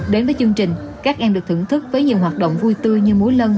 đến với chương trình các em được thưởng thức với nhiều hoạt động vui tươi như múa lân